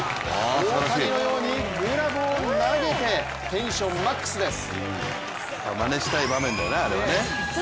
大谷のようにグラブを投げて、テンションマックスです。